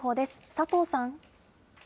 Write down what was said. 佐藤さん。